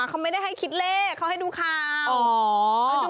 เขาไม่ได้ให้คิดเลขเขาให้ดูข่าว